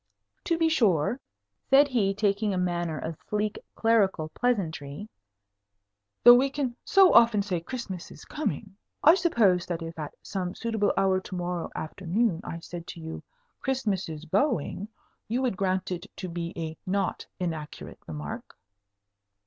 "To be sure," said he, taking a manner of sleek clerical pleasantry, "though we can so often say 'Christmas is coming,' I suppose that if at some suitable hour to morrow afternoon I said to you, 'Christmas is going,' you would grant it to be a not inaccurate remark?"